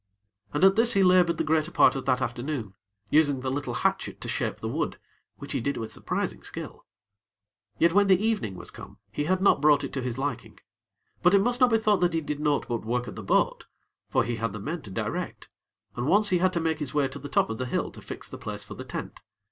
And at this he labored the greater part of that afternoon, using the little hatchet to shape the wood, which he did with surprising skill; yet when the evening was come, he had not brought it to his liking. But it must not be thought that he did naught but work at the boat; for he had the men to direct, and once he had to make his way to the top of the hill to fix the place for the tent.